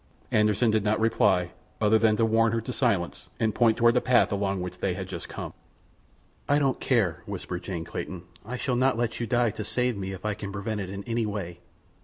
Anderssen did not reply, other than to warn her to silence and point toward the path along which they had just come. "I don't care," whispered Jane Clayton. "I shall not let you die to save me if I can prevent it in any way.